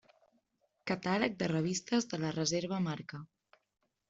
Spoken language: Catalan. Catàleg de revistes de la Reserva Marca.